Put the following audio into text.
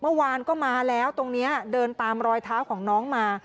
เมื่อวานก็มาแล้วตรงนี้เดินตามรอยเท้าของน้องมา